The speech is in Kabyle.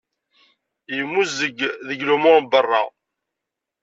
Yemmuzzeg deg lumuṛ n berra.